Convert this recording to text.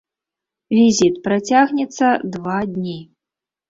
Візіт працягнецца два дні.